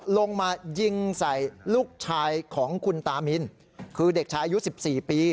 ลงมายิงใส่ลูกชายของคุณตามินคือเด็กชายอายุ๑๔ปี